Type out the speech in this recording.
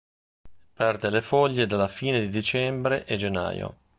Perde le foglie dalla fine di dicembre e gennaio.